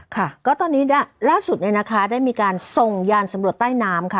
ค่ะก็ตอนนี้ล่าสุดเนี่ยนะคะได้มีการส่งยานสำรวจใต้น้ำค่ะ